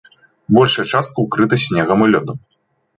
Большая частка ўкрыта снегам і лёдам.